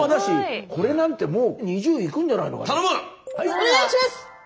お願いします！